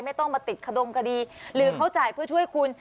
ไม่ต้องมาติดขดงคดีหรือเขาจ่ายเพื่อช่วยคุณ